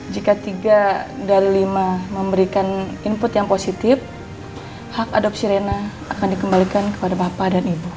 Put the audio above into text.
jika tiga dari lima memberikan input yang positif hak adopsi rena akan dikembalikan kepada bapak dan ibu